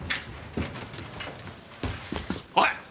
おい！